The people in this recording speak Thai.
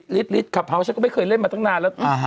ฤทธิ์คลับเฮาส์ฉันก็ไม่เคยเล่นมาตั้งนานแล้ว